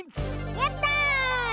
やった！